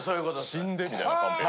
「死んで」みたいなカンペ。